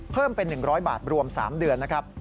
เพิ่มเป็น๑๐๐บาทรวม๓เดือนนะครับ